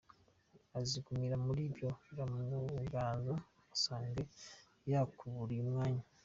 Azigumira muri ibyo bimurangaza usange yakuburiye umwanya.